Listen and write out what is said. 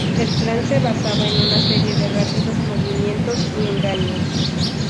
El plan se basaba en una serie de rápidos movimientos y engaños.